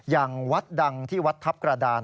อย่างวัดดังที่วัดทัพกระดาน